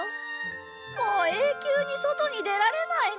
もう永久に外に出られないの？